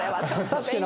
確かに。